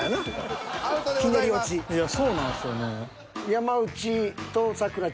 ［いやそうなんですよね］